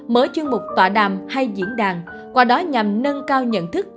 mở chuyên mục tọa đàm hay diễn đàn qua đó nhằm nâng cao nhận thức